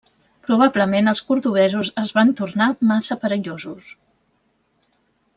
Probablement els cordovesos es van tornar massa perillosos.